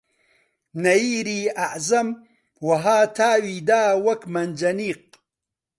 نەییری ئەعزەم وەها تاوی دەدا وەک مەنجەنیق